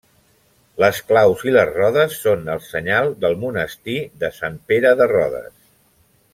Les claus i les rodes són el senyal del monestir de Sant Pere de Rodes.